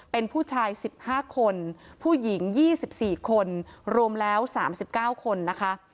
เป็นผู้ชายสิบห้าคนผู้หญิงยี่สิบสี่คนรวมแล้วสามสิบเก้าคนนะคะ